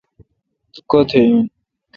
تو کتہ این؟